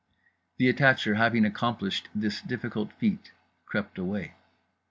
The attacher, having accomplished his difficult feat, crept away.